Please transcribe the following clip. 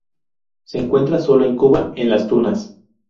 Se encuentra solo en Cuba, en Las Tunas.